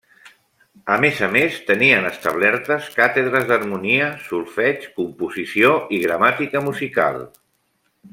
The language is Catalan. A més a més, tenia establertes càtedres d'harmonia, solfeig, composició i gramàtica musical.